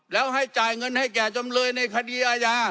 แล้วให้จ่ายเงินให้แก่จำเลยในคดีอาญา